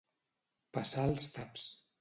Passar els taps.